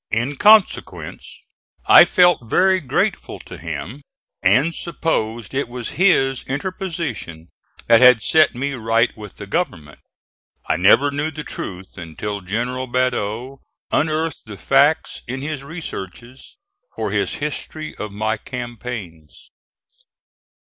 In consequence I felt very grateful to him, and supposed it was his interposition that had set me right with the government. I never knew the truth until General Badeau unearthed the facts in his researches for his history of my campaigns.